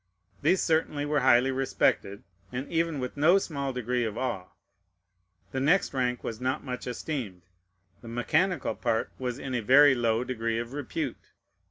These certainly were highly respected, and even with no small degree of awe. The next rank was not much esteemed; the mechanical part was in a very low degree of repute.